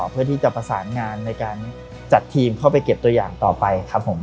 เพื่อที่จะประสานงานในการจัดทีมเข้าไปเก็บตัวอย่างต่อไปครับผม